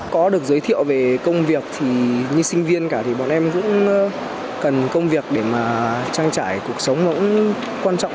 có được giới thiệu về công việc thì như sinh viên cả thì bọn em cũng cần công việc để mà trang trải cuộc sống cũng quan trọng